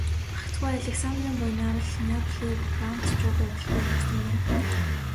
Гагцхүү Александрын буянаар л Неаполийг францчууд удалгүй орхисон байна.